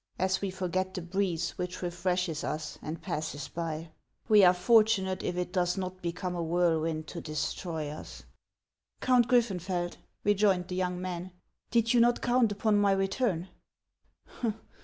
" as we forget the breeze which refreshes us and passes by : we are fortunate if it does not become a whirlwind to destroy us." '• Count Gviffeufeld." rejoined the young man, ~ did you not count upon my return